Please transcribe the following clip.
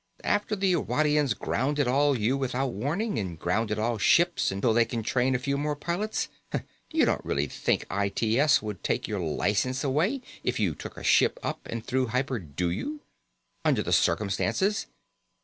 After the Irwadians grounded all of you without warning, and grounded all ships until they can train a few more pilots. You don't really think I.T.S. would take your license away if you took a ship up and through hyper, do you? Under the circumstances?